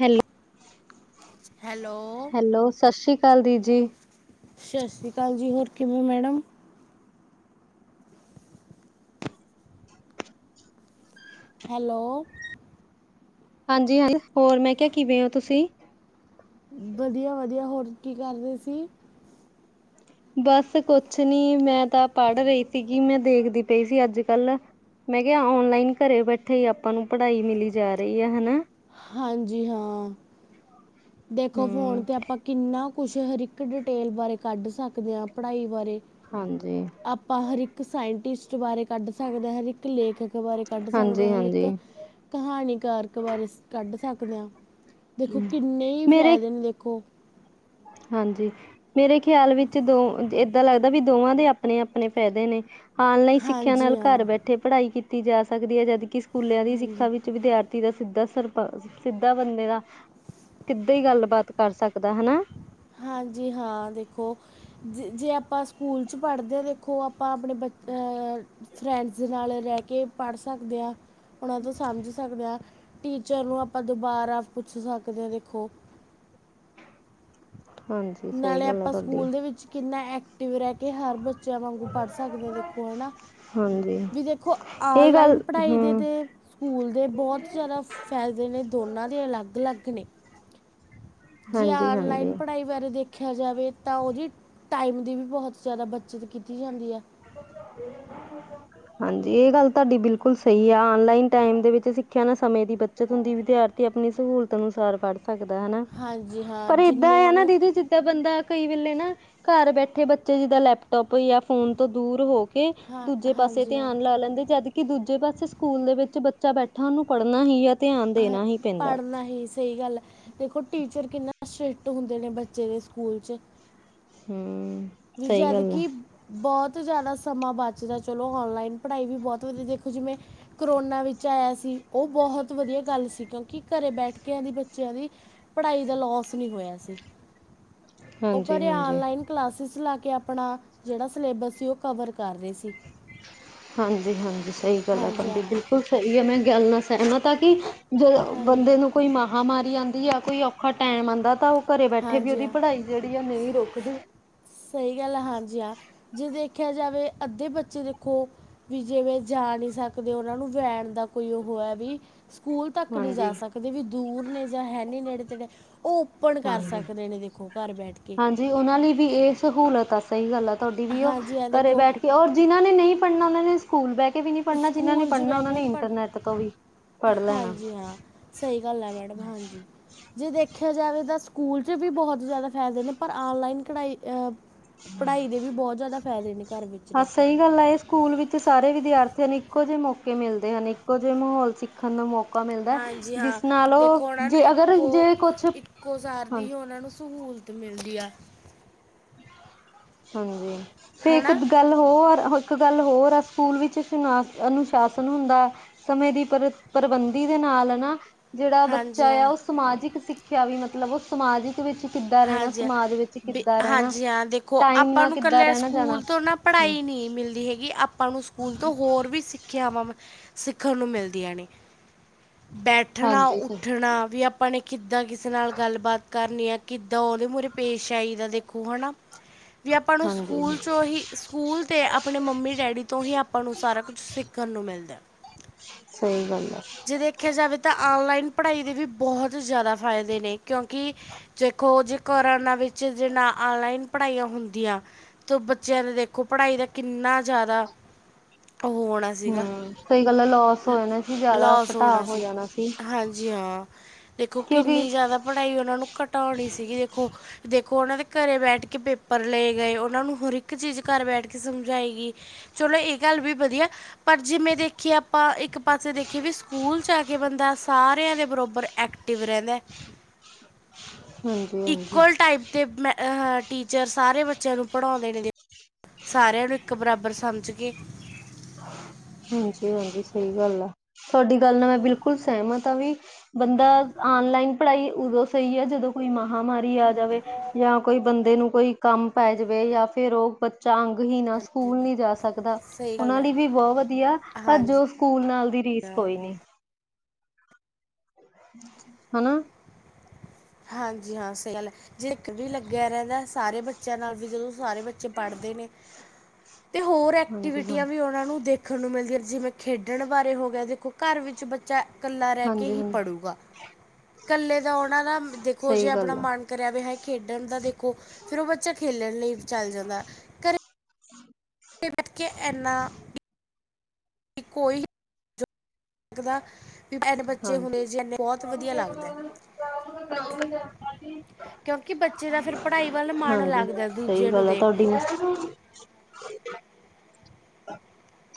Hello hello hello ਸਤਿ ਸ਼੍ਰੀ ਅਕਾਲ ਦੀ ਜੀ। ਸਤਿ ਸ਼੍ਰੀ ਅਕਾਲ ਜੀ, ਹੋਰ ਕਿਵੇਂ ਓ ਮੈਡਮ? ਹੈਲੋ। ਹਾਂਜੀ ਹਾਂ ਜੀ, ਹੋਰ ਮੈਂ ਕਿਹਾ ਕਿਵੇਂ ਹੋ ਤੁਸੀਂ? ਵਧੀਆ ਵਧੀਆ ਹੋਰ ਕੀ ਕਰ ਰਹੇ ਸੀ? ਬਸ ਕੁਛ ਨੀ ਮੈਂ ਤਾਂ ਪੜ੍ਹ ਰਹੀ ਸੀਗੀ, ਮੈਂ ਦੇਖਦੀ ਪਈ ਸੀ ਅੱਜ ਕੱਲ ਮੈਂ ਕਿਹਾ ਓਨਲਾਈਨ ਘਰੇ ਬੈਠੇ ਹੀ ਆਪਾਂ ਨੂੰ ਪੜ੍ਹਾਈ ਮਿਲੀ ਜਾ ਰਹੀ ਆ ਹੈਣਾ। ਹਾਂਜੀ ਹਾਂ, ਦੇਖੋ ਫੋਨ ਹਮ ਤੇ ਆਪਾਂ ਕਿੰਨਾ ਕੁਛ ਹਰ ਇੱਕ ਡਿਟੇਲ ਬਾਰੇ ਕੱਢ ਸਕਦੇ ਆਂ, ਪੜ੍ਹਾਈ ਬਾਰੇ ਹਾਂਜੀ। ਆਪਾਂ ਹਰ ਇੱਕ ਸਾਇੰਟਿਸਟ ਬਾਰੇ ਕੱਢ ਸਕਦੇ ਹਾਂ, ਹਰ ਇੱਕ ਲੇਖਕ ਬਾਰੇ ਕੱਢ ਸਕਦੇ ਹਾਂਜੀ ਹਾਂ ਹਰ ਇੱਕ ਹਾਂਜੀ ਕਹਾਣੀਕਾਰਕ ਬਾਰੇ ਕੱਢ ਸਕਦੇ ਹਾਂ, ਦੇਖੋ ਕਿੰਨੇ ਹੀ ਮੇਰੇ ਫਾਇਦੇ ਨੇ ਦੇਖੋ ਹਾਂਜੀ ਮੇਰੇ ਖਿਆਲ ਵਿੱਚ ਦੋ ਏਦਾਂ ਲੱਗਦਾ ਵੀ ਦੋਵਾਂ ਦੇ ਆਪਣੇ ਆਪਣੇ ਫ਼ਾਇਦੇ ਨੇ। ਆਨਲਾਈਨ ਸਿੱਖਿਆ ਹਾਂਜੀ ਨਾਲ ਹਾਂ ਘਰ ਬੈਠੇ ਪੜ੍ਹਾਈ ਕੀਤੀ ਜਾ ਸਕਦੀ ਐ, ਜਦਕਿ ਸਕੂਲਿਆਂ ਦੀ ਹਾਂਜੀ ਸਿੱਖਾ ਵਿੱਚ ਵਿਦਿਆਰਥੀ ਦਾ ਸਿੱਧਾ ਸਰਪ ਸਿੱਧਾ ਬੰਦੇ ਦਾ ਕਿੱਦਾਂ ਹੀ ਗੱਲਬਾਤ ਕਰ ਸਕਦਾ ਹੈਣਾ। ਹਾਂਜੀ ਹਾਂ, ਦੇਖੋ ਜੇ ਆਪਾਂ ਸਕੂਲ ਚ ਪੜ੍ਹਦੇ ਹਾਂ ਦੇਖੋ ਆਪਾਂ ਆਪਣੇ ਬੱ ਆ ਫਰੈਂਡਸ ਨਾਲ ਰਹਿ ਕੇ ਪੜ੍ਹ ਸਕਦੇ ਆ ਉਹਨਾਂ ਤੋਂ ਸਮਝ ਸਕਦੇ ਆ ਟੀਚਰ ਨੂੰ ਆਪਾਂ ਦੁਬਾਰਾ ਪੁੱਛ ਸਕਦੇ ਆ ਦੇਖੋ। ਹਾਂਜੀ ਸਹੀ ਨਾਲੇ ਗੱਲ ਆ ਆਪਾਂ ਤੁਹਾਡੀ ਸਕੂਲ ਦੇ ਵਿੱਚ ਕਿੰਨਾ ਐਕਟਿਵ ਰਹਿ ਕੇ, ਹਰ ਬ ਬੱਚਿਆਂ ਵਾਂਗੂ ਪੜ੍ਹ ਸਕਦੇ ਆ ਦੇਖੋ ਹੈਨਾ। ਹਾਂਜੀ ਵੀ ਦੇਖੋ, ਇਹ ਗੱਲ ਆਨਲਾਈਨ ਪੜ੍ਹਾਈ ਦੇ ਹਮ ਤਾਂ ਸਕੂਲ ਦੇ ਬਹੁਤ ਜ਼ਿਆਦਾ ਫਾਯਦੇ ਨੇ ਦੋਨਾਂ ਦੇ ਅਲੱਗ ਅਲੱਗ ਨੇ ਯਾ ਹਾਂਜੀ ਹਾਂਜੀ ਔਨਲਾਈਨ ਪੜ੍ਹਾਈ ਬਾਰੇ ਦੇਖ ਦੇਖਆ ਜਾਵੇ ਤਾਂ, ਉਹਦੀ ਟਾਈਮ ਦੀ ਵੀ ਬਹੁਤ ਜ਼ਿਆਦਾ ਬੱਚਤ ਕੀਤੀ ਜਾਂਦੀ ਆ। ਹਾਂਜੀ, ਇਹ ਗੱਲ ਤੁਹਾਡੀ ਬਿਲਕੁਲ ਸਹੀ ਆ ਓਨਲਾਈਨ ਟਾਈਮ ਦੇ ਵਿੱਚ ਸਿੱਖਿਆ ਨਾ ਮੇਰੀ ਬੱਚਤ ਹੁੰਦੀ, ਵਿਦਿਆਰਥੀ ਆਪਣੀ ਸਹੂਲਤ ਅਨੁਸਾਰ ਪੜ੍ਹਦੇ ਸਕਦਾ ਹੈਨਾ, ਹਾਂਜੀ ਹਾਂ ਪਰ ਏਦਾਂ ਜਿੰਨੇ ਹੈ ਹੁਣ ਨਾ ਦੀਦੀ ਜਿੱਦਾਂ ਬੰਦਾ ਕਈ ਵੇਲੇ ਨਾ ਘਰ ਬੈਠੇ ਬੱਚੇ ਜਿੱਦਾਂ ਲੈਪਟੋਪ ਜਾਂ ਫੋਨ ਤੋਂ ਦੂਰ ਹੋ ਕੇ ਹਾਂ ਦੂਜੇ ਪਾਸੇ ਹਾਂਜੀ ਹਾਂ ਧਿਆਨ ਲਾ ਲੈਂਦੇ, ਜਦਕਿ ਦੂਜੇ ਪਾਸੇ ਸਕੂਲ ਦੇ ਵਿੱਚ ਬੇ ਬੱਚਾ ਬੈਠਾ ਉਹਨੂੰ ਪੜ੍ਹਨਾ ਹੀ ਐ ਹ ਪੜ੍ਹਨਾ ਹੀ ਸਹੀ ਗੱਲ ਆ ਦੇਖੋ, ਟੀਚਰ ਕਿੰਨਾ ਸ਼੍ਰਿਸ਼ਟ ਹੁੰਦੇ ਨੇ ਬੱਚੇ ਦੇ ਸਕੂਲ 'ਚ [inaudible] ਸਹੀ ਗੱਲ ਆ ਜਦਕਿ ਬਹੁਤ ਬਹੁਤ ਜ਼ਿਆਦਾ ਸਮਾਂ ਬੱਚਦਾ ਚਲੋ, ਔਨਲਾਈਨ ਪੜ੍ਹਾਈ ਵੀ ਬਹੁਤ ਵਧੀਆ ਦੇਖੋ, ਜਿਵੇਂ ਕਰੋਨਾ ਵਿੱਚ ਆਇਆ ਸੀ ਉਹ ਬਹੁਤ ਵਧੀਆ ਗੱਲ ਸੀ, ਕਿਉਂਕਿ ਘਰੇ ਬੈਠ ਕੇ ਐਵੇਂ ਬੱਚਿਆਂ ਦੀ ਪੜ੍ਹਾਈ ਦਾ ਲੋਸ ਨਹੀਂ ਹੋਇਆ ਸੀ, ਉਹ ਹਾਂਜੀ ਘਰੇ ਹਾਂਜੀ ਔਨਲਾਈਨ ਕਲਾਸ ਲਾ ਕੇ ਆਪਣਾ ਜਿਹੜਾ ਸਿਲੇਬਸ ਸੀ ਉਹ ਕਵਰ ਕਰ ਰਹੇ ਸੀ। ਹਾਂਜੀ ਹਾਂਜੀ, ਸਹੀ ਗੱਲ ਆ ਹਾਂਜੀ ਹਾਂ ਤੁਹਾਡੀ ਬਿਲਕੁਲ ਸਹੀ ਐ, ਮੈਂ ਗੱਲ ਨਾਲ ਸਹਿਮਤ ਆ, ਕਿ ਜੋ ਹਾਂਜੀ ਬੰਦੇ ਨੂੰ ਕੋਈ ਮਹਾਮਾਰੀ ਆਂਦੀ ਐ, ਕੋਈ ਔਖਾ ਟੈਮ ਆਉਂਦਾ ਤਾਂ ਉਹ ਘਰੇ ਬੈਠੇ ਵੀ ਹਾਂਜੀ ਉਹਦੀ ਹਾਂ ਪੜ੍ਹਾਈ ਜੇਹੜੀ ਆ ਨਹੀਂ ਰੁਕਦੀ। ਸਹੀ ਗੱਲ ਹੈ ਹਾਂਜੀ ਹਾਂ ਜੇ ਦੇਖਿਆ ਜਾਵੇ ਅੱਧੇ ਬੱਚੇ ਦੇਖੋ ਵੀ ਜਿਵੇਂ ਜਾ ਨਹੀਂ ਸਕਦੇ ਉਹਨਾਂ ਨੂੰ [unintelligible] ਦਾ ਕੋਈ ਉਹ ਹੈ ਵੀ। ਸਕੂਲ ਤੱਕ ਨਹੀਂ ਹਾਂਜੀ ਜਾ ਸਕਦੇ ਵੀ ਦੂਰ ਨੇ ਜਾਂ ਹੈ ਨਹੀਂ ਨੇੜੇ ਤੇੜੇ। ਉਹ ਓਪਨ ਕਰ ਹਾਂਜੀ ਸਕਦੇ ਨੇ ਦੇਖੋ ਘਰ ਬੈਠ ਕੇ। ਹਾਂਜੀ ਉਹਨਾਂ ਲਈ ਵੀ ਇਹ ਸਹੂਲਤ ਆ ਸਹੀ ਗੱਲ ਆ ਤੁਹਾਡੀ ਵੀ ਉਹ ਹਾਂਜੀ ਹਾਂ ਘਰੇ ਦੇਖੋ ਬੈਠ ਕੇ ਔਰ ਜਿਹਨਾਂ ਨੇ ਨਹੀਂ ਪੜ੍ਹਨਾ ਉਹਨਾਂ ਨੇ ਸਕੂਲ ਬੈਠ ਵੀ ਨੀ ਪੜ੍ਹਨਾ ਜਿਹਨਾ ਨੇ ਸਕੂਲ 'ਚ ਪੜ੍ਹਨਾ ਬਹਿ ਉਹ ਕੇ ਵੀ ਨੇ ਨਹੀਂ ਪੜ੍ਹ ਇੰਟਰਨੈਟ ਤੋਂ ਵੀ ਪੜ੍ਹ ਲੈਣਾ ਹਾਂਜੀ ਹਾਂ ਸਹੀ ਗੱਲ ਆ ਮੈਡਮ ਹਾਂਜੀ। ਜੇ ਦੇਖਿਆ ਜਾਵੇ ਤਾਂ ਸਕੂਲ 'ਚ ਵੀ ਬਹੁਤ ਜ਼ਿਆਦਾ ਫਾਇਦੇ ਨੇ ਪਰ ਔਨਲਾਈਨ ਪੜਾਈ ਅ। ਪੜ੍ਹਾਈ ਦੇ ਵੀ ਬਹੁਤ ਜ਼ਿਆਦਾ ਫਾਇਦੇ ਨੇ ਘਰ ਵਿੱਚ ਹਾਂ ਰਹਿ ਕੇ। ਫੇਰ ਇੱਕੋ ਜਿਹੇ ਮੌਕੇ ਮਿਲਦੇ ਹਨ ਇੱਕੋ ਜਿਹੇ ਮਾਹੌਲ ਸਿੱਖਣ ਦਾ ਮੌ ਹਾਂਜੀ ਹਾਂ ਦੇਖੋ ਉਹਨਾਂ ਨੂੰ ਜੇ ਅਗਰ ਇੱਕੋ ਜੇ ਕੁਛ ਹਾਂ ਇੱਕੋ ਸਾਰ ਦੀ ਉਹਨਾਂ ਨੂੰ ਸਹੂਲਤ। ਸਹੂਲਤ ਮਿਲਦੀ ਆ ਹਾਂਜੀ ਤੇ ਹੈ ਇੱਕ ਨਾ ਗੱਲ ਹੋਰ ਇੱਕ ਗੱਲ ਹੋਰ ਆ ਸਕੂਲ ਵਿੱਚ ਸੁ ਅਨੁਸ਼ਾਸਨ ਹੁੰਦਾ ਸਮੇਂ ਦੀ ਪਰ ਪ੍ਰਬੰਧ ਦੇ ਨਾਲ ਨਾਲ ਨਾ ਜਿਹੜਾ ਹਾਂਜੀ ਬੱਚਾ ਆ ਹਾਂ ਉਹ ਸਮਾਜਿਕ ਸਿੱਖਿਆ ਵੀ ਮਤਲਬ ਉਹ ਸਮਾਜਿਕ ਵਿੱਚ ਕਿੱਦਾਂ ਰਹਿਣਾ ਹਾਂਜੀ ਹਾਂ ਸਮਾਜ ਵਿੱਚ ਕਿ ਬ ਹਾਂਜੀ ਹਾਂ ਦੇਖੋ ਆਪਾਂ ਨੂੰ ਇਕੱਲੇ ਰਹਿਣਾ ਜਾਣਾ ਸਕੂਲ ਤੋਂ ਨਾ ਪੜ੍ਹਾਈ ਨਹੀਂ ਮਿਲਦੀ ਹੈਗੀ ਕਿ ਆਪਾਂ ਨੂੰ ਸਕੂਲ ਤੋਂ ਹੋਰ ਵੀ ਸਿੱਖਿਆਵਾਂ ਸਿੱਖਣ ਨੂੰ ਮਿਲਦੀਆਂ ਨੇ ਬੈਠਣਾ ਹਾਂਜੀ ਉੱਠਣਾ ਵੀ ਆਪਾਂ ਨੇ ਕਿੱਦਾਂ ਕਿਸੇ ਨਾਲ ਗੱਲਬਾਤ ਕਰਨੀ ਹੈ ਕਿੱਦਾਂ ਉਹਦੇ ਮੁਰੇ ਪੇਸ਼ ਆਈਦਾ ਦੇਖੋ ਹੈ ਨਾ ਵੀ ਆਪਾਂ ਨੂੰ ਹਾਂਜੀ ਸਕੂਲ ਹੀ ਸਕੂਲ ਆਪਣੇ ਮੰਮੀ ਡੈਡੀ ਤੋਂ ਹੀ ਆਪਾਂ ਨੂੰ ਸਾਰਾ ਕੁਛ ਸਿੱਖਣ ਨੂੰ ਮਿਲਦਾ [unintelligible] ਹੈ ਜੇ ਦੇਖਿਆ ਜਾਵੇ ਤਾਂ ਆਨਲਾਈਨ ਪੜ੍ਹਾਈ ਦੇ ਵੀ ਬਹੁਤ ਜ਼ਿਆਦਾ ਫਾਇਦੇ ਨੇ ਕਿਉਂਕਿ ਦੇਖੋ ਜੇ ਕਰੋਨਾ ਵਿੱਚ ਜਿ ਨਾ ਆਨਲਾਈਨ ਪੜ੍ਹਾਈਆਂ ਹੁੰਦੀਆਂ ਤਾਂ ਬੱਚਿਆਂ ਦੇ ਦੇਖੋ ਪੜ੍ਹਾਈ ਦਾ ਕਿੰਨਾ ਜ਼ਿਆਦਾ [inaudible] ਉਹ ਹੋਣਾ ਸੀਗਾ ਹਮ ਸਹੀ ਗੱਲਾਂ ਲੋਸ ਹੋ ਜਾਣਾ ਸੀ ਜਿਆਦਾ ਲੋਸ ਘਟਾਅ ਹੋਣਾ ਹੋ ਜਾਣਾ ਸੀ ਹਾਂਜੀ ਹਾਂ ਦੇਖੋ ਕਿਉਂਕਿ ਕਿੰਨੀ ਜ਼ਿਆਦਾ ਪੜ੍ਹਾਈ ਉਹਨਾਂ ਨੂੰ ਘਟਾਉਣੀ ਸੀਗੀ ਦੇਖੋ ਦੇਖ ਉਹਨਾਂ ਦੇ ਘਰੇ ਬੈਠ ਕੇ ਪੇਪਰ ਲਏ ਗਏ ਉਹਨਾਂ ਨੂੰ ਹਰ ਇੱਕ ਚੀਜ਼ ਘਰ ਬੈਠ ਕੇ ਸਮਝਾਈ ਗਈ ਲੋ ਇਹ ਗੱਲ ਵੀ ਵਧੀਆ ਪਰ ਜਿਵੇਂ ਦੇਖੀਏ ਆਪਾਂ ਇੱਕ ਪਾਸੇ ਦੇਖੀ ਸਕੂਲ ਚ ਜਾ ਕੇ ਬੰਦਾ ਸਾਰਿਆਂ ਦੇ ਬਰੋਬਰ ਐਕਟਿਵ ਰਹਿੰਦਾ ਹਾਂਜੀ-ਹਾਂਜੀ, ਇਕੁਅਲ ਟਾਈਪ ਦੇ ਟੀਚਰ ਸਾਰੇ ਬੱਚਿਆਂ ਨੂੰ ਪੜ੍ਹਾਉਂਦੇ ਨੇ ਸਾਰਿਆਂ ਨੂੰ ਇੱਕ ਬਰਾਬਰ ਸਮਝ ਕੇ ਹਾਂਜੀ ਹਾਂਜੀ ਸਹੀ ਗੱਲ ਆ ਤੁਹਾਡੀ ਗੱਲ ਨਾਲ ਮੈਂ ਬਿਲਕੁਲ ਸਹਿਮ ਆ ਤਾਂ ਵੀ ਬੰਦਾ ਆਨਲਾਈਨ ਪੜ੍ਹਾਈ ਉਦੋਂ ਸਹੀ ਹੈ ਜਦੋਂ ਕੋਈ ਮਹਾਾਂਮਾਰੀ ਆ ਜਾਵੇ ਜਾਂ ਕੋਈ ਬੰਦੇ ਨੂੰ ਕੋਈ ਕੰਮ ਪੈ ਜਾਵੇ ਜਾਂ ਫੇਿਰ ਉਹ ਬੱਚਾ ਅੰਗ ਹੀ ਨਾ ਸਕੂਲ ਨਹੀਂੀ ਜਾ ਸਕਦਾ ਸਹੀ ਗੱਲ ਉਹਨਾਂ ਹੈ ਲਈ ਵੀ ਬਹੁਤ ਵੀਆ ਆ ਪਰ ਹਾਂਜੀ ਜੋ ਸਕੂਲ ਨਾਲ ਦੀ ਰੀਸ ਹਾਂ ਕੋਈ ਨੀ ਹਨਾ ਹਾਂਜੀ ਹਾਂ ਸਹੀ ਗੱਲ ਜੇ ਇੱਕ ਵੀ ਲੱਗਿਆ ਰਹਿੰਦਾ ਸਾਰੇ ਬੱਚਿਆਂ ਨਾਲ ਵੀ ਫ ਜਦੋਂ ਸਾਰੇ ਬੱਚੇ ਪੜ੍ਹਦੇ ਨੇ ਤੇ ਹੋਰ ਐਕਟੀਵਿਟੀਆਂ ਹਾਂਜੀ-ਹਾਂਜੀ, ਵੀ ਉਹਨਾਂ ਨੂੰ ਦੇਖਣ ਨੂੰ ਮਿਲਦੀਆਂ ਜਿਵੇਂ ਖੇਡਣ ਬਾਰੇ ਹੋ ਗਿਆ ਦੇਖੋ ਘਰ ਵਿੱਚ ਬੱਚਾ ਇਕੱਲਾ ਰਹਿ ਕੇ ਹੀ ਹਾਂਜੀ-ਹਾਂਜੀ ਪੜੇਗਾ ਇਕੱਲੇ ਤਾਂ ਆਉਣਾ ਨਾ ਦੇਖੋ ਜੇ ਸਹੀ ਆਪਣਾ ਗੱਲ ਆ ਮਨ ਕਰਿਆ ਵੀ ਖੇਡਣ ਦਾ ਦੇਖੋ ਫੇਿਰ ਉਹ ਬੱਚਾ ਖੇਲਣ ਲਈ ਚੱਲ ਜਾਂਦਾ [unintelligible] ਕੇ ਇਨਾ ਕਿ ਕੋਈ ਲੱਗਦਾ ਹਾਂਜੀ ਲੱਗਦਾ ਕਿਉਂਕਿ ਬੱਚੇ ਦਾ ਫਿਰ ਪੜ੍ਹਾਈ ਵੱਲ ਮਨ ਹਾਂਜੀ ਲੱਗਦਾ ਸਹੀ ਦੂਜੇ ਨੂੰ ਗੱਲ ਆ ਦੇਖ ਤੁਹਾਡੀ ਕੇ [inaudible]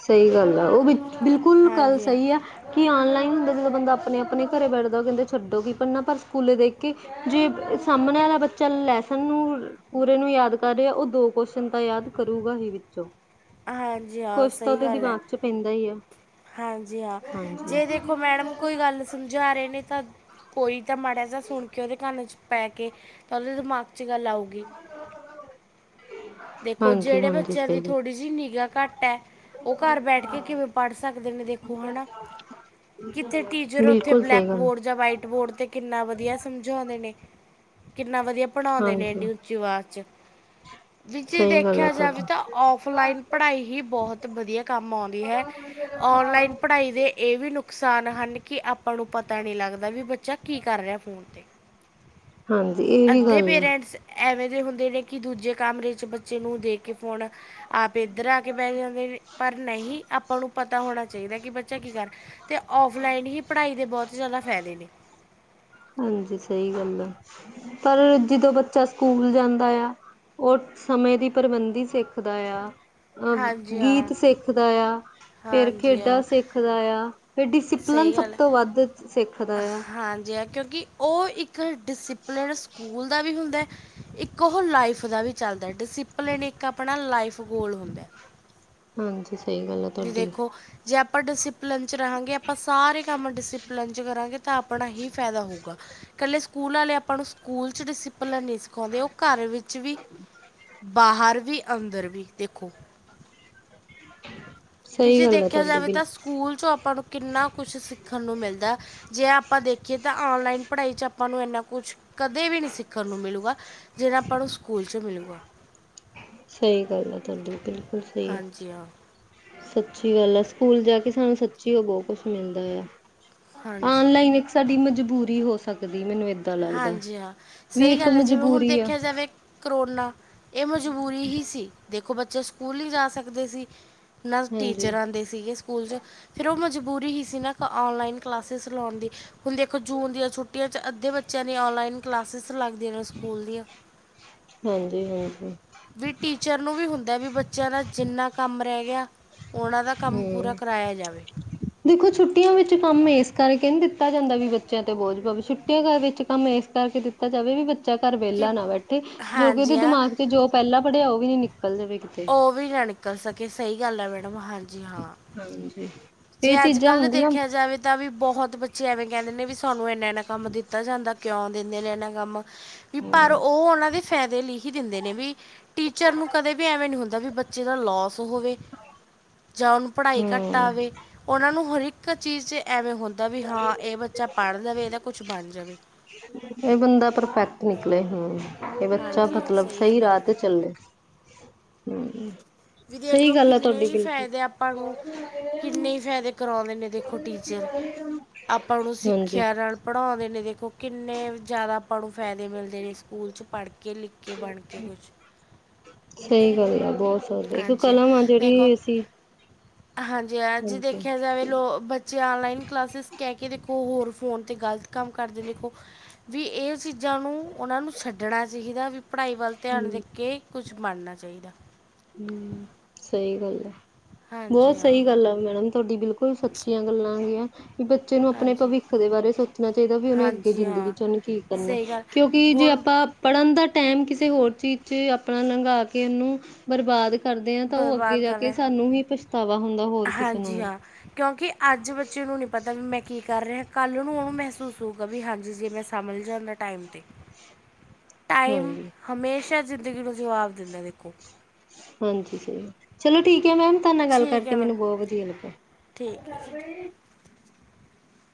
ਸਹੀ ਗੱਲ ਆ ਉਹ ਬੀ ਬਿਲਕੁਲ ਗੱਲ ਹਾਂਜੀ ਹਾਂ ਸਹੀ ਹੈ ਕਿ ਔਨਲਾਈਨ ਜਦੋਂ ਬੰਦਾ ਆਪਣੇ ਆਪਣੇ ਘਰੇ ਬੈਠਦਾ ਕਹਿੰਦੇ ਛੱਡੋ ਕਿ ਪਨਾ ਪਰ ਸਕੂਲੇ ਦੇਖ ਕੇ ਜੇ ਸਾਹਮਣੇ ਵਾਲਾ ਬੱਚਾ ਲੈਸਨ ਨੂੰ ਪੂਰੇ ਨੂੰ ਯਾਦ ਕਰ ਰਿਹਾ ਉਹ ਦੋ ਕੁਸ਼ਨ ਤਾਂ ਯਾਦ ਕਰੂਗਾ ਹੀ ਵਿੱਚੋਂ ਹਾਂਜੀ ਹਾਂ ਕੁਛ ਤਾਂ ਸਹੀ ਉਹਦੇ ਗੱਲ ਹੈ ਦਿਮਾਗ ਚ ਪੈਂਦਾ ਹੀ ਆ ਹਾਂਜੀ ਹਾਂ ਜੇ ਹਾਂਜੀ ਦੇਖੋ ਮੈਡਮ ਕੋਈ ਗੱਲ ਸਮਝਾ ਰਹੇ ਨੇ ਤਾਂ ਕੋਈ ਤਾਂ ਮਾੜਾ ਜਿਹਾ ਸੁਣ ਕੇ ਉਹਦੇ ਕੰਨ 'ਚ ਪੈ ਕੇ ਤਾਂ ਉਹਦੇ ਦਿਮਾਗ [unintelligible] ਲਾਉਗੀ ਦੇਖੋ ਹਾਂਜੀ ਜਿਹੜੇ ਹਾਂਜੀ ਬੱਚਿਆਂ ਸਹੀ ਦੀ ਗੱਲ ਥੋੜ੍ਹੀ ਜਹੀ ਨਿਗਾਾ ਘੱਟ ਹੈ ਉਹ ਘਰ ਬੈਠ ਕੇ ਕਿਵੇਂ ਪੜ੍ਹ ਸਕਦੇ ਨੇ ਦੇਖੋ ਹੈ ਨਾ ਕਿਥੇ ਟੀਚਰ ਉਥੇ ਬਿਲਕੁਲ ਸਹੀ ਬਲੈਕ ਗੱਲ ਬੋਰਡ ਜਾਂ ਵਾਈਟ ਬੋਰਡ ਤੇ ਕਿੰਨਾ ਵਧੀਆ ਸਮਝਾਉਂਦੇ ਨੇ ਕਿੰਨਾ ਵਧੀਆ ਪੜ੍ਹਉਂਦੇ ਨੇ ਹਾਂਜੀ ਇੰਨੀ ਉੱਚੀ ਅਵਾਜ਼'ਚ ਵੀ ਜੇ ਸਹੀ ਗੱਲ ਆ ਦੇਖਿਆ ਜਾਵੇ ਤੁਹਾਡੀ ਤਾਂ ਔਫਲਾਈਨ ਪੜ੍ਹਾਈ ਹੀ ਬਹੁਤ ਵਧੀਆ ਕੰਮ ਆਉਂਦੀ ਹੈ ਔਨਲਾਈਨ ਪੜ੍ਹਾਈ ਦੇ ਇਹ ਵੀ ਨੁਕ ਨੁਕਸਾਨ ਹਨ ਕਿ ਆਪਾਂ ਨੂੰ ਪਤਾ ਨਹੀਂ ਲੱਗਦਾ ਵੀ ਬੱਚਾ ਕੀ ਕਰ ਰਿਹਾ ਫੋਨ 'ਤੇ ਹਾਂਜੀ ਇਹ ਵੀ ਅੱਧੇ ਗੱਲ ਆ ਪੇਰੈਂਟਸ ਐਵੇਂ ਦੇ ਹੁੰਦੇ ਨੇ ਕਿ ਦੂਜੇ ਕਮਰੇ 'ਚ ਬੱਚੇ ਨੂੰ ਦੇ ਕੇ ਫੋਨ ਆਪ ਇੱਧਰ ਆ ਕੇ ਬਹਿ ਜਾਂਦੇ ਨੇ ਪਰ ਨਹੀਂ ਆਪਾਂ ਨੂੰ ਪਤਾ ਹੋਣਾ ਚਾਹੀਦਾ ਕਿ ਬੱਚਾ ਕੀ ਕਰ ਅਤੇ ਔਫਲਾਈਨ ਹੀ ਪੜ੍ਹਾਈ ਦੇ ਬਹੁਤ ਜ਼ਿਆਦਾ ਫ਼ਾਇਦੇ ਨੇ ਹਾਂਜੀ ਸਹੀ ਗੱਲ ਆ ਪਰ ਜਦੋਂ ਬੱਚਾ ਸਕੂਲ ਜਾਂਦਾ ਆ ਉਹ ਸਮੇਂ ਦੀ ਪ੍ਰਬੰਧਦੀ ਸਿੱਖਦਾ ਆ ਅਹ ਹਾਂਜੀ ਹਾਂ ਗੀਤ ਸਿੱਖਦਾ ਆ ਫੇਰ ਹਾਂਜੀ ਖੇਡਾਂ ਹਾਂ ਸਿੱਖਦਾ ਆ ਫੇਰ ਡਿਸਿਪਲਨ ਸਹੀ ਸਭ ਗੱਲ ਹੈ ਤੋਂ ਵੱਧ ਸਿੱਖਦਾ ਆ ਕਿ ਉਹ ਇੱਕ ਡਿਸਪਲਿਨ ਸਕੂਲ ਦਾ ਵੀ ਹੁੰਦਾ ਹੈ ਇੱਕ ਉਹ ਲਾਈਫ ਦਾ ਵੀ ਚੱਲਦਾ ਡਿਸਿਪਲਿਨ ਇੱਕ ਆਪਣਾ ਲਾਈਫ ਗੋਲ ਹੁੰਦਾ ਹਾਂਜੀ ਸਹੀ ਗੱਲ ਆ ਵੀ ਤੁਹਾਡੀ ਦੇਖੋ ਜੇ ਆਪਾਂ ਡਿਸਿਪਲਨ ਚ ਰਹਾਂਗੇ ਆਪਾਂ ਸਾਰੇ ਕੰਮ ਡਿਸਿਪਲਨ ਚ ਕਰਾਂਗੇ ਤਾਂ ਆਪਾਂ ਆਪਣਾ ਹੀ ਫਾਇਦਾ ਹੋਉਗਾ ਇਕੱਲੇ ਸਕੂਲ ਵਾਲੇ ਆਪਾਂ ਨੂੰ ਸਕੂਲ ਚ ਡਿਸਪਲਨ ਨਹੀਂ ਸਖਾਉਂਦੇ ਉਹ ਘਰ ਵਿੱਚ ਵੀ ਬਾਹਰ ਵੀ ਅੰਦਰ ਵੀ ਦੇਖੋ [inaudible] ਵੀ ਜੇ ਗੱਲ ਆ ਦੇਖਿਆ ਤੁਹਾਡੀ ਜਾਵੇ ਬਿਲਕੁਲ ਤਾਂ ਸਕੂਲ ਚੋਂ ਆਪਾਂ ਨੂੰ ਕਿੰਨਾ ਕੁਛ ਸਿੱਖਣ ਨੂੰ ਮਿਲਦਾ ਜੇ ਆਪਾਂ ਦੇਖੀਏ ਤਾਂ ਔਨਲਾਈਨ ਪੜ੍ਹਾਈ ਚ ਆਪਾਂ ਨੂੰ ਇੰਨਾ ਕੁਛ ਕਦੇ ਵੀ ਨਹੀਂ ਸਿੱਖਣ ਨੂੰ ਮਿਲੇਗਾ ਜਿਹੜਾ ਆਪਾਂ ਨੂੰ ਸਕੂਲ 'ਚ ਮਿਲੁਗਾ ਸਹੀ ਗੱਲ ਆ ਤੁਹਾਡੀ ਬਿਲਕੁਲ ਸਹੀ ਹੈ ਹਾਂਜੀ ਹਾਂ ਸੱਚੀ ਗੱਲ ਆ ਸਕੂਲ ਜਾ ਕੇ ਸਾਨੂੰ ਸੱਚੀ ਉਹ ਬਹੁਤ ਕੁਛ ਮਿਲਦਾ ਆ ਹਾਂਜੀ ਆਨਲਾਈਨ ਇੱਕ ਸਾਡੀ ਮਜਬੂਰੀ ਹੋ ਸਕਦੀ ਮੈਨੂੰ ਇਦਾਂ ਪਤਾ ਲੱਗਦਾ ਹਾਂਜੀ ਹਾਂ ਵੀ ਸਹੀ ਇੱਕ ਗੱਲ ਹੈ ਜਿਵੇਂ ਹੁਣ ਮਜਬੂਰੀ ਆ ਦੇਖਿਆ ਜਾਵੇ ਕਰੋਨਾ ਇਹ ਮਜ਼ਬੂਰੀ ਹੀ ਸੀ ਦੇਖੋ ਬੱਚੇ ਸਕੂਲ ਹੀ ਜਾ ਸਕਦੇ ਸੀ ਨਾ ਹਾਂਜੀ ਟੀਚਰ ਆਉਂਦੇ ਸੀਗੇ ਸਕੂਲ ਚ ਫੇਰ ਉਹ ਮਜਬੂਰੀ ਹੀ ਸੀ ਨਾ ਔਨਲਾਈਨ ਕਲਾਸਿਸ ਲਾਉਣ ਦੀ ਹੁਣ ਦੇਖੋ ਜੂਨ ਦੀਆਂ ਛੁੱਟੀਆਂ ਚ ਅੱਧੇ ਬੱਚਿਆਂ ਨੇ ਔਨਲਾਈਨ ਕਲਾਸਿਸ ਲੱਗਦੀਆਂ ਨੇ ਸਕੂਲ ਦੀਆਂ ਹਾਂਜੀ ਹਾਂਜੀ ਵੀ ਟੀਚਰ ਨੂੰ ਵੀ ਹੁੰਦਾ ਵੀ ਬੱਚਿਆਂ ਦਾ ਜਿੰਨਾ ਕੰਮ ਰਹਿ ਗਿਆ ਉਹਨਾਂ ਦਾ ਕੰਮ ਪੂਰਾ ਕਰਾਇਆ ਜਾਵੇ ਤੇ ਛੁੱਟੀਆਂ ਵਿੱਚ ਕੰਮ ਐ ਕਰਕੇ ਨੀ ਦਿੱਤਾ ਜਾਂਦਾ ਵੀ ਬੱਚਿਆਂ ਤੇ ਬੋਝ ਪਵੇ ਛੁੱਟੀਆਂ ਵਿੱਚ ਕੰਮ ਇਸ ਕਰਕੇ ਦਿੱਤਾ ਜਾਵੇ ਵੀ ਬ ਬੱਚਾ ਘਰ ਕਿ ਵਿਹਲਾ ਨਾ ਬੈਠੇ ਜੋ ਕਿ ਉਹਦੇ ਹਾਂਜੀ ਹਾਂ ਦਿਮਾਗ ਚ ਜੋ ਪਹਿਲਾਂ ਪੜ੍ਹਿਆ ਉਹ ਵੀ ਨ ਉਹ ਵੀ ਨਾ ਨਿਕਲ ਸਕੇ ਸਹੀ ਗੱਲ ਹੈ ਮੈਡਮ ਹਾਂਜੀ ਹਾਂ ਹਾਂਜੀ ਜੇ ਇਹ ਅੱਜ ਚੀਜ਼ਾਂ ਕੱਲ੍ਹ ਹੁੰਦੀਆਂ ਦੇਖਿਆ ਜਾਵੇ ਤਾਂ ਵੀ ਬਹੁਤ ਬੱਚੇ ਐਵੇਂ ਕਹਿੰਦੇ ਨੇ ਵੀ ਸਾਨੂੰ ਇੰਨਾ ਇੰਨਾ ਕੰਮ ਦਿੱਤਾ ਜਾਂਦਾ ਕਿਉਂ ਦਿੰਦੇ ਨੇ ਇਨਾ ਕੰਮ ਵੀ ਪਰ ਹੂੰ ਉਹ ਉਹਨਾਂ ਦੇ ਫਾਇਦੇ ਲਈ ਹੀ ਦਿੰਦੇ ਨੇ ਵੀ ਟੀਚਰ ਨੂੰ ਕਦੇ ਵੀ ਐਵੇਂ ਨ ਹੁੰਦਾ ਵੀ ਬੱਚੇ ਦਾ ਲੋਸ ਹੋਵੇ ਜਾਂ ਉਹਨੂੰ ਪੜ੍ਹਾਈ ਘੱਟ ਹੂੰ ਆਵੇ ਉਹਨਾਂ ਨੂੰ ਹਰ ਇੱਕ ਚੀਜ਼ ਐਵੇਂ ਹੋ ਕੁਝ ਬਣ ਜਾਵੇ ਇਹ ਬੰਦਾ ਪਰਫੈਕਟ ਨਿਕਲੇ ਹਮ ਇਹ ਬੱਚਾ ਹਾਂਜੀ ਹਾਂ ਮਤਲਬ ਸਹੀ ਗੱਲ ਹੈ ਰਾਹ ਤੇ ਮੈਡਮ ਚੱਲੇ ਹਮ ਵੀ ਦੇਖਲੋ ਕਿੰਨੇ ਹੀ ਫਾਇਦੇ ਆਪਾਂ ਨੂੰ ਕਿੰਨੇ ਹੀ ਫਾਇਦੇ ਕਰਾਉਂਦੇ ਨੇ ਦੇਖੋ ਟੀਚਰ ਆਪਾਂ ਨੂੰ ਹਾਂਜੀ ਸਿੱਖਿਆ ਨਾਲ ਪੜ੍ਹਾਉਣ ਨੇ ਦੇਖੋ ਕਿੰਨੇ ਜ਼ਿਆਦਾ ਪਣ ਫਾਇਦੇ ਮਿਲਦੇ ਨੇ ਸਕੂਲ 'ਚ ਪੜ੍ਹ ਕੇ ਲਿਖ ਕੇ ਬਣ ਕੇ ਕੁਛ ਸਹੀ ਗੱਲ ਆ ਬਹੁਤ ਇੱਕ ਹਾਂਜੀ ਹਾਂ ਕਲਮ ਆ ਦੇਖੋ ਜਿਹੜੀ ਅਸੀਂ ਹਾਂਜੀ ਹੈ ਜੇ ਹਾਂਜੀ ਦੇਖਿਆ ਜਾਵੇ ਲੋ ਬੱਚੇ ਆਨਲਾਈਨ ਕਲਾਸਿਸ ਕਹਿ ਕੇੋ ਖ ਹੋਰ ਫੋਨ 'ਤੇ ਗਲਤ ਕੰਮ ਕਰਦੇ ਨੇ ਵੀ ਇਹ ਚੀਜ਼ਾਂ ਨੂੰ ਉਹਨਾਂ ਨੂੰ ਛੱਡਣਾ ਚਾਹੀਦਾ ਵੀ ਪੜ੍ਹਾਈ ਵੱਲ ਧਿਆਨ ਦੇ ਹੂੰ ਕੇ ਕੁਛ ਬਣਨਾ ਚਾਹੀਦਾ ਹਮ ਸਹੀ ਗੱਲ ਆ ਹਾਂਜੀ ਬਹੁਤ ਹਾਂ ਸਹੀ ਗੱਲ ਆ ਮੈਡਮ ਤੁਹਾਡੀ ਬਿਲਕੁਲ ਸੱਚੀਆਂ ਗੱਲਾਂ ਹੈ ਗੀਆਂ ਵੀ ਬੱਚੇ ਨੂੰ ਆਪਣੇ ਹਾਂਜੀ ਭਵਿੱਖ ਦੇ ਬਾਰੇ ਸੋਚਣਾ ਚਾਹੀਦਾ ਵੀ ਉਹਨੇ ਅੱਗੇ ਹਾਂਜੀ ਜ਼ਿੰਦਗੀ ਹਾਂ ਚ ਉਹਨੂੰ ਕੀ ਕਰਨਾ ਸਹੀ ਗੱਲ ਕਿਉਂਕਿ ਜੇ ਹੁਣ ਆਪਾਂ ਪੜ੍ਹਨ ਦਾ ਟਾਈਮ ਕਿਸੇ ਹੋਰ ਚੀਜ਼ ਚ ਆਪਣਾ ਲੰਘਾ ਕੇ ਇਹਨੂੰ ਬਰਬਾਦ ਕਰਦੇ ਹਾਂ ਤਾਂ ਉਹ ਅੱਗੇ ਬਰਬਾਦ ਜਾ ਕਰ ਕੇ ਰਿਹਾ ਸਾਨੂੰ ਹੀ ਪਛ ਹਾਂਜੀ ਹਾਂ ਕਿਉਂਕਿ ਅੱਜ ਬੱਚੇ ਨੂੰ ਨਹੀਂੀ ਪਤਾ ਵੀ ਮੈਂ ਕੀ ਕਰ ਰਿਹਾ ਕੱਲ੍ਹ ਨੂੰ ਉਹਨੂੰ ਮਹਿਸੂਸ ਹੋਊਗਾ ਵੀ ਹਾਂਜੀ ਜੇ ਮੈਂ ਸਮਝ ਜਾਂਦਾ ਟਾਈਮ 'ਤੇ ਟਾਈਮ ਹਾਂਜੀ, ਹਮੇਸ਼ਾ ਜ਼ਿੰਦਗੀ ਨੂੰ ਜਵਾਬ ਦਿੰਦਾ ਦੇਖੋ ਹਾਂਜੀ ਸਹੀ ਚਲੋ ਠੀਕ ਮੈਮ ਤੁ ਨਾਲ ਗੱਲ ਠੀਕ ਕਰਕੇ ਹੈ ਮੈਮ ਮੈਨੂੰ ਬਹੁਤ ਵਧੀਆ ਠੀਕ ਹੈ ਜੀ ਲੱਗਿਆ